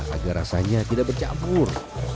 agar rasanya tidak bercabur